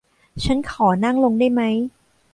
ฉันขอนั่งลงได้ไหม